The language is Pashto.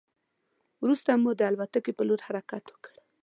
وروسته مو د الوتکې په لور حرکت وکړ.